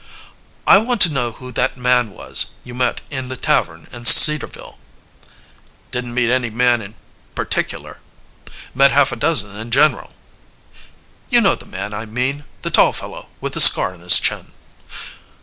"I want to know who that man was, you met in the tavern in Cedarville." "Didn't meet any man in particular. Met half a dozen in general." "You know the man I mean the tall fellow, with a scar on his chin."